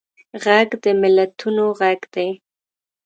غږ د ملتونو غږ دی